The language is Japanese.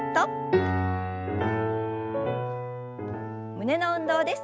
胸の運動です。